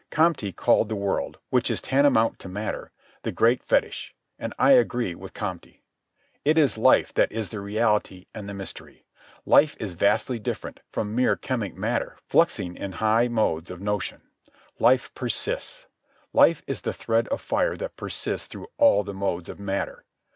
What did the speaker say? Comte called the world, which is tantamount to matter, the great fetich, and I agree with Comte. It is life that is the reality and the mystery. Life is vastly different from mere chemic matter fluxing in high modes of notion. Life persists. Life is the thread of fire that persists through all the modes of matter.